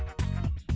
trộm ch có